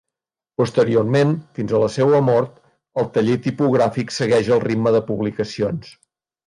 Posteriorment, fins a la seva mort, el taller tipogràfic segueix el ritme de publicacions.